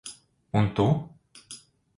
Un tu?